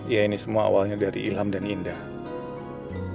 ya ini semua awalnya dari ilham dan indah ilham dan indah